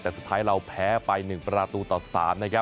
แต่สุดท้ายเราแพ้ไป๑ประดาตุต่อสถาม